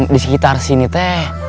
di sekitar sini teh